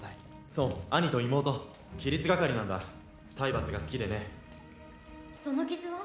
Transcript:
そう兄と妹規律係なんだ体罰が好きでねその傷は？